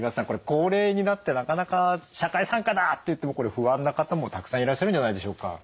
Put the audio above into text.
これ高齢になってなかなか社会参加だっていっても不安な方もたくさんいらっしゃるんじゃないでしょうか。